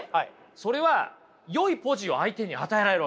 それはよいポジを相手に与えられるわけです。